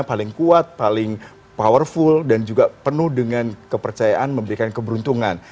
paling kuat paling powerful dan juga penuh dengan kepercayaan memberikan keberuntungan